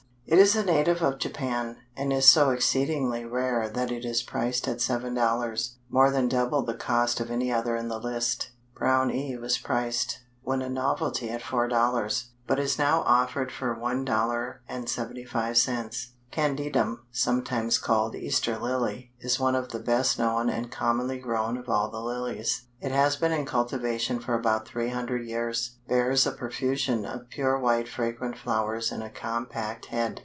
It is a native of Japan, and is so exceedingly rare that it is priced at $7.00, more than double the cost of any other in the list. Brownii was priced, when a novelty at $4.00, but is now offered for $1.75. Candidum, sometimes called Easter Lily, is one of the best known and commonly grown of all the Lilies. It has been in cultivation for about three hundred years. Bears a profusion of pure white fragrant flowers in a compact head.